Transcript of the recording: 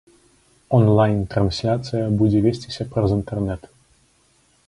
Онлайн-трансляцыя будзе весціся праз інтэрнэт.